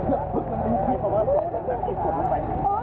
สวัสดีครับคุณผู้ชาย